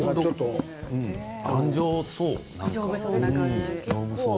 頑丈そう。